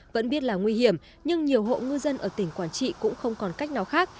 vẫn biết là nguy hiểm nhưng nhiều hộ ngư dân ở tỉnh quảng trị cũng không còn cách nào khác